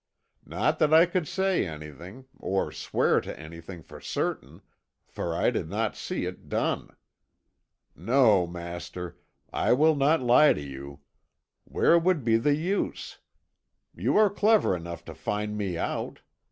Not that I could say anything, or swear to anything for certain, for I did not see it done. No, master, I will not lie to you. Where would be the use? You are clever enough to find me out.